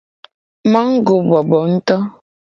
Mago bobo nguto.